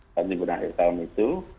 saat liburan akhir tahun itu